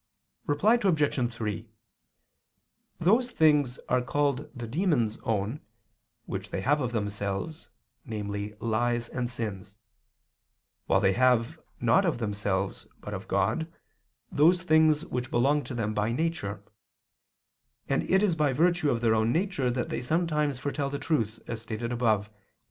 Reply Obj. 3: Those things are called the demons' own, which they have of themselves, namely lies and sins; while they have, not of themselves but of God, those things which belong to them by nature: and it is by virtue of their own nature that they sometimes foretell the truth, as stated above (ad 1).